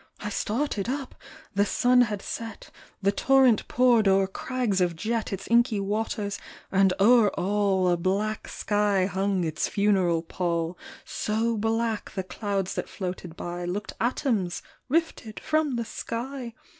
I started up : the sun had set, The torrent poured o'er crags of jet Its inky waters, and o'er all A black sky hung its funeral pall, — So black the clouds that floated by Looked atoms rifted from the sky.